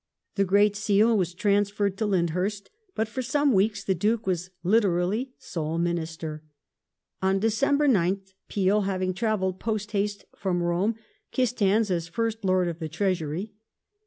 The Great Seal was transferred to Lyndhurst, but for some weeks the Duke was literally sole Minister. On December 9th, Peel, having travelled post haste from Rome, kissed hands as First Lord of the Treasury.